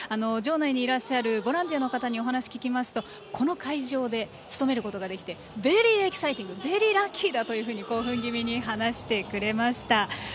場内にいらっしゃるボランティアの方にお話を聞きますと、この会場で勤めることができてベリーエキサイティングベリーラッキーだと興奮気味に話してくれました。